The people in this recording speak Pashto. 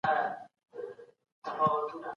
په رڼا کي لوستل سترګو ته ګټور دي.